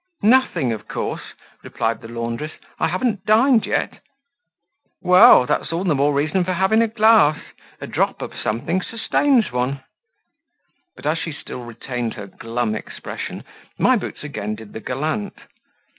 "Nothing, of course," replied the laundress. "I haven't dined yet." "Well! that's all the more reason for having a glass; a drop of something sustains one." But, as she still retained her glum expression, My Boots again did the gallant.